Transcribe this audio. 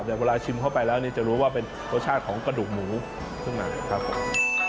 แต่เวลาชิมเข้าไปแล้วนี่จะรู้ว่าเป็นรสชาติของกระดูกหมูข้างในครับผม